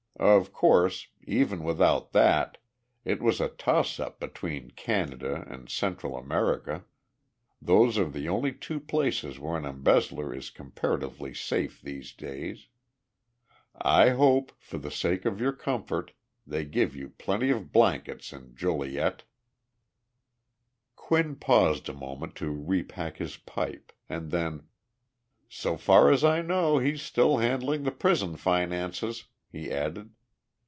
Of course, even without that, it was a toss up between Canada and Central America. Those are the only two places where an embezzler is comparatively safe these days. I hope, for the sake of your comfort, they give you plenty of blankets in Joliet." Quinn paused a moment to repack his pipe, and then, "So far as I know, he's still handling the prison finances," he added.